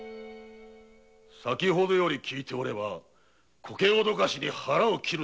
先程より聞いておればこけおどかしに腹を切るだと？